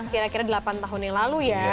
kira kira delapan tahun yang lalu ya